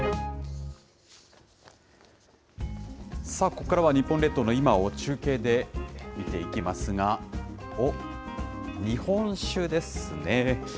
ここからは日本列島の今を中継で見ていきますが、おっ、日本酒ですね。